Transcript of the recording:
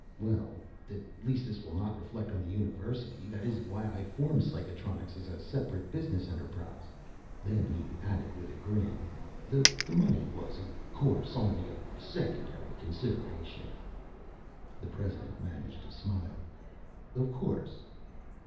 "Well, at least this will not reflect on the university. That is why I formed Psychonics as a separate business enterprise." Then he added, with a grin, "The money was, of course, only a secondary consideration." The president managed a smile. "Of course."